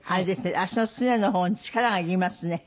足のすねの方に力がいりますね。